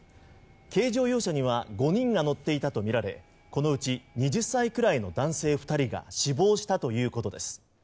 軽乗用車には５人が乗っていたとみられこのうち２０歳くらいの男性２人が死亡したということです。